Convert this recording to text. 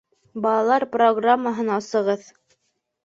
Балалар программаһын асығыҙ